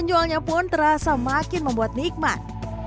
dan jualnya pun terasa makin membuat nikmat